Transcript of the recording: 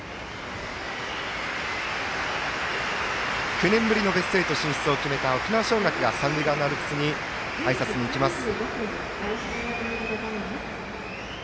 ９年ぶりのベスト８進出を決めた沖縄尚学が三塁側のアルプスにあいさつに行きました。